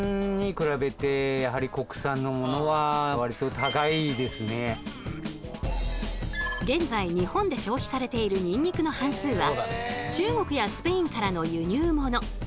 大体現在日本で消費されているニンニクの半数は中国やスペインからの輸入物。